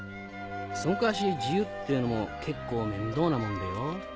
そん代わし自由っていうのも結構面倒なもんでよ。